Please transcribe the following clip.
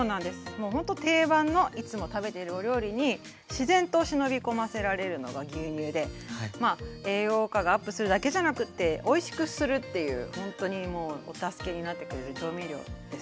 もうほんと定番のいつも食べているお料理に自然と忍び込ませられるのが牛乳で栄養価がアップするだけじゃなくておいしくするっていうほんとにもうお助けになってくれる調味料です。